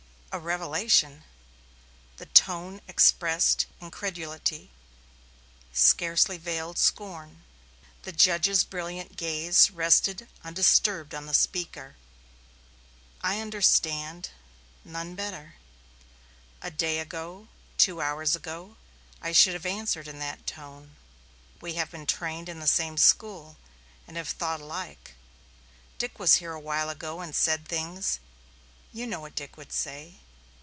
"A revelation!" the tone expressed incredulity, scarcely veiled scorn. The judge's brilliant gaze rested undisturbed on the speaker. "I understand none better. A day ago, two hours ago, I should have answered in that tone. We have been trained in the same school, and have thought alike. Dick was here a while ago and said things you know what Dick would say.